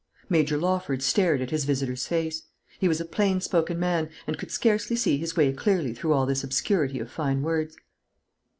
Major Lawford stared at his visitor's face. He was a plain spoken man, and could scarcely see his way clearly through all this obscurity of fine words.